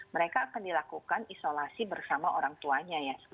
mereka akan dilakukan isolasi bersama orang tuanya ya